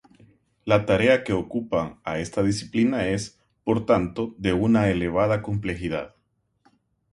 La tarea que ocupa a esta disciplina es, por tanto, de una elevada complejidad.